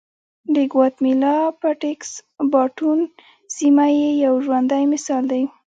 د ګواتیمالا پټېکس باټون سیمه یې یو ژوندی مثال دی